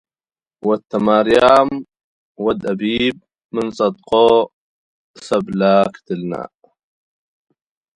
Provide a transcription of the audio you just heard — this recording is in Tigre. ወድ ትማርያም ወድ አቢብ ምን ጸድቆ ሰብለ ክትልነ